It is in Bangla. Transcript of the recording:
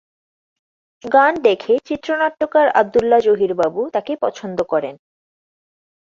গান দেখে চিত্রনাট্যকার আব্দুল্লাহ জহির বাবু তাকে পছন্দ করেন।